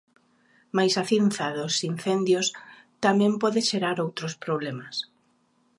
Mais a cinza dos incendios tamén pode xerar outros problemas.